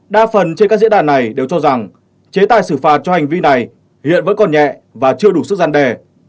đa phần trên các diễn đàn này đều cho rằng chế tài xử phạt cho hành vi này hiện vẫn còn nhẹ và chưa đủ sức gian đề